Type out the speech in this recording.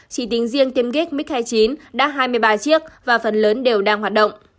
chỉ tính riêng tiêm gack mix hai mươi chín đã hai mươi ba chiếc và phần lớn đều đang hoạt động